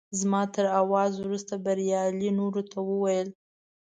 زما تر اواز وروسته بریالي نورو ته وویل.